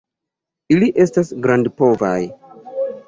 Ili estas grandpovaj.